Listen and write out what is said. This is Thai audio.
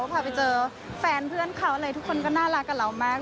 พาไปเจอแฟนเพื่อนเขาอะไรทุกคนก็น่ารักกับเรามาก